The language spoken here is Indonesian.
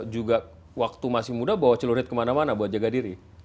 juga waktu masih muda bawa celurit kemana mana buat jaga diri